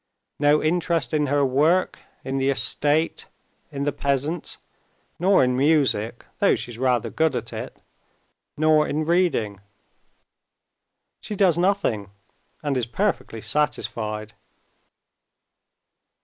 No interest in her work, in the estate, in the peasants, nor in music, though she's rather good at it, nor in reading. She does nothing, and is perfectly satisfied."